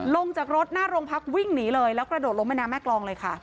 ลงจากรถหน้าโรงพักวิ่งหนีเลยแล้วกระโดดลงแม่น้ำแม่กรองเลยค่ะ